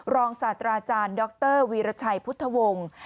ศาสตราอาจารย์ดรวีรชัยพุทธวงศ์